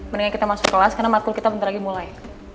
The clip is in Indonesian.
mendingan kita masuk kelas karena markul kita bentar lagi mulai